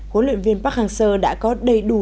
huấn luyện viên park hang seo đã có đầy đủ